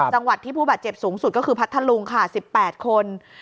จังหวัดที่ผู้บาดเจ็บสูงสุดก็คือพัทธลุงค่ะ๑๘คน